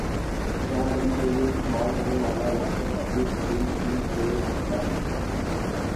زار بند کیلئے استعمال ہونے والا الاسٹک بھی تیل ہی سے بنتا ھے